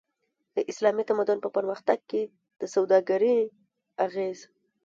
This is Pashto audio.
د اسلامي تمدن په پرمختګ کی د سوداګری اغیز